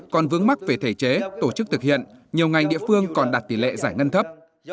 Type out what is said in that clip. còn vướng mắc về thể chế tổ chức thực hiện nhiều ngành địa phương còn đặt tỷ lệ giải ngân thấp